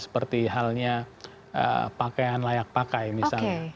seperti halnya pakaian layak pakai misalnya